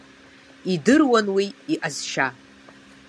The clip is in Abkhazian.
Идыруан уи иҟазшьа.